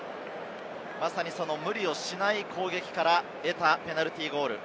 無理をしない攻撃から出たペナルティーゴール。